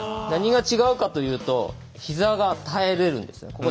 何が違うかというとひざが耐えれるんですね。